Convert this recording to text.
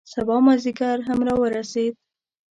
سبا مازدیګر هم را ورسید.